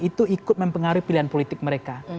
itu ikut mempengaruhi pilihan politik mereka